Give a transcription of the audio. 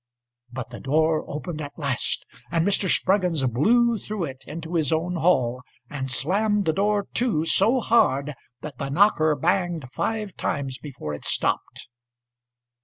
But the door opened at last, And Mr. Spruggins blew through it into his own hallAnd slammed the door to so hardThat the knocker banged five times before it stopped.